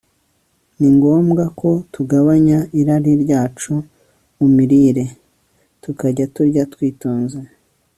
ni ngombwa ko tugabanya irari ryacu mu mirire, tukajya turya twitonze